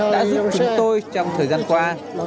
đã giúp chúng tôi trong thời gian qua